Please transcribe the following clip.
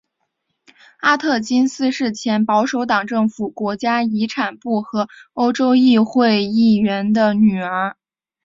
阿特金斯是前保守党政府国家遗产部和欧洲议会议员的女儿。